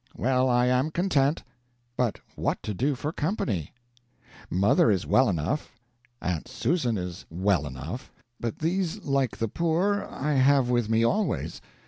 Well, I am content. But what to do for company? Mother is well enough, Aunt Susan is well enough; but these, like the poor, I have with me always.